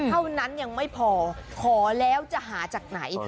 เท่านั้นยังไม่พอขอแล้วจะหาจากไหน